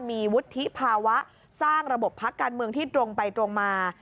มีวุฒิภาวะสร้างระบบพักการเมืองที่ตรงไปตรงมา